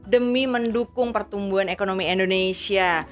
demi mendukung pertumbuhan ekonomi indonesia